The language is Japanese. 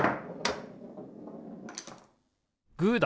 グーだ！